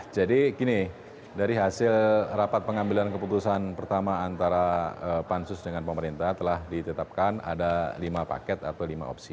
jadi gini dari hasil rapat pengambilan keputusan pertama antara pan sus dengan pemerintah telah ditetapkan ada lima paket atau lima opsi